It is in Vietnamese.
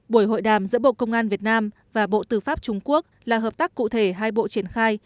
buổi hội đàm giữa bộ công an việt nam và bộ tư pháp trung quốc là hợp tác cụ thể hai bộ triển khai